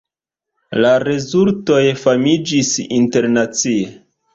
La rezultoj famiĝis internacie.